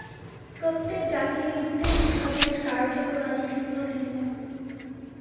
প্রত্যেক জাতিরই উদ্দেশ্য-সাধনের কার্যপ্রণালী ভিন্ন ভিন্ন।